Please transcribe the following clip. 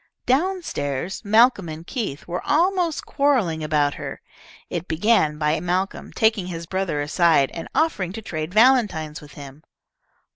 Down stairs, Malcolm and Keith were almost quarrelling about her. It began by Malcolm taking his brother aside and offering to trade valentines with him.